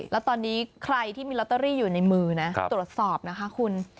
แล้วตอนนี้ใครที่มีลอตเตอรี่อยู่ในมือนะตรวจสอบนะคะคุณ